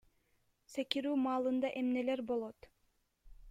Секирүү маалында эмнелер болот?